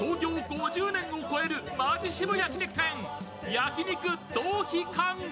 ５０年を超えるマヂ渋焼き肉店・焼肉道飛館。